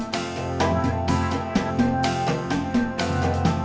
di depan rumah saya